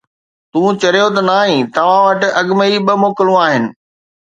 تون چريو ته نه آهين؟ توهان وٽ اڳ ۾ ئي ٻه موڪلون آهن.